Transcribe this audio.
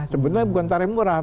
sebetulnya bukan tarif murah